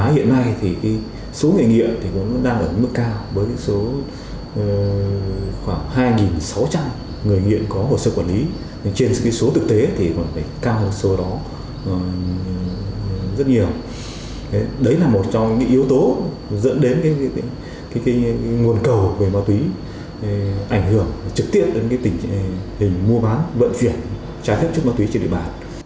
đó là một trong những yếu tố dẫn đến nguồn cầu về ma túy ảnh hưởng trực tiện đến tình hình mua bán vận chuyển trái phép chất ma túy trên địa bàn